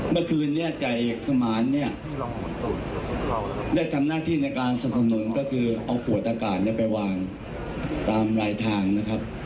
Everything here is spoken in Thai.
เมื่อคืนนี้จ่ายเอกสมานเนี่ยได้ทำหน้าที่ในการสนับสนุนก็คือเอาขวดอากาศไปวางตามรายทางนะครับ